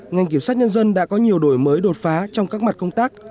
ngành kiểm sát nhân dân đã có nhiều đổi mới đột phá trong các mặt công tác